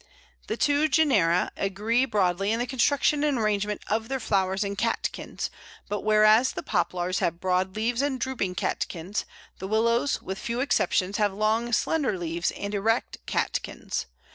The two genera agree broadly in the construction and arrangement of their flowers in catkins, but whereas the Poplars have broad leaves and drooping catkins, the Willows, with few exceptions, have long slender leaves and erect catkins.